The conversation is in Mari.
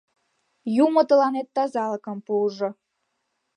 Юмо тыланет тазалыкым пуыжо.